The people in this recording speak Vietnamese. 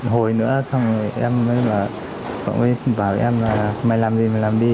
hồi nữa xong rồi em mới bảo em là mày làm gì mày làm đi